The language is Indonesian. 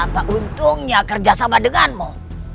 apa untungnya kerjasama denganmu